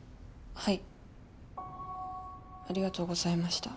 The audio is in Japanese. はい。